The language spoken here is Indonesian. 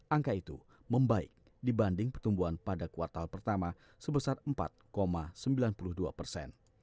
angka itu membaik dibanding pertumbuhan pada kuartal pertama sebesar empat sembilan puluh dua persen